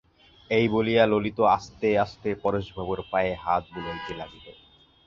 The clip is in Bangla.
এই বলিয়া ললিতা আস্তে আস্তে পরেশবাবুর পায়ে হাত বুলাইতে লাগিল।